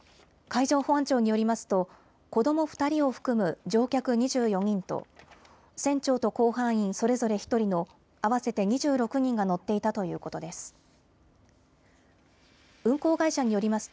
海上保安庁によりますと子ども２人を含む乗客２４人と船長と甲板員それぞれ１人の合わせて２６人が乗っていたということです。